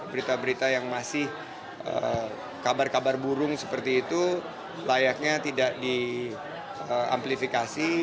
berita berita yang masih kabar kabar burung seperti itu layaknya tidak di amplifikasi